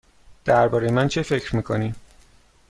درباره من چه فکر می کنی؟